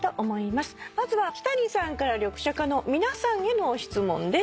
まずはキタニさんからリョクシャカの皆さんへの質問です。